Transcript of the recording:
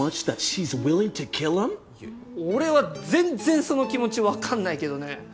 俺は全然その気持ち分かんないけどね。